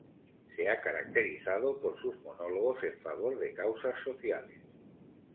Se ha caracterizado por sus monólogos en favor de causas sociales.